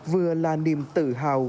vừa là niềm tự hào